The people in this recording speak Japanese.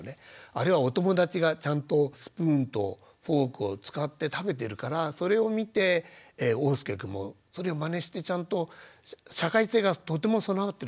あれはお友達がちゃんとスプーンとフォークを使って食べてるからそれを見ておうすけくんもそれをまねしてちゃんと社会性がとても備わってると思うんです。